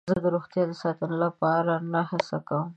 زه د روغتیا د ساتنې لپاره نه هڅه کوم.